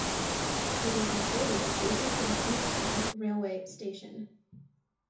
It is located adjacent to the Kingston railway station.